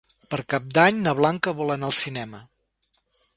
Per Cap d'Any na Blanca vol anar al cinema.